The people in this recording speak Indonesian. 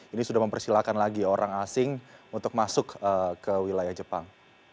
ini sudah mempersilahkan lagi orang asing untuk masuk ke wilayah jepang